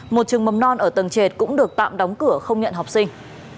một trường mầm non ở tầng trệt cũng được tạm đóng cửa không nhận học sinh